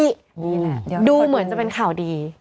นี่แหละดูเหมือนจะเป็นข่าวดี